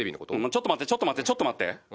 ちょっと待ってちょっと待ってちょっと待って！